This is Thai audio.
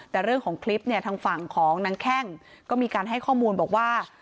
แต่เรื่องของคลิปเนี่ยทางฝั่งของนางแข้งก็มีการให้ข้อมูลบอกว่า